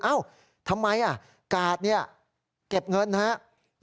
เอ้าทำไมกาดเนี่ยเก็บเงินนะครับ